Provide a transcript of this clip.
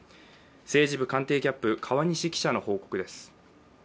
政治部官邸キャップ・川西記者の報告です。